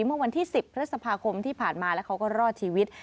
เมื่อวันที่๑๐พฤษภาคมที่ผ่านมาแล้วเขาก็รอดชีวิต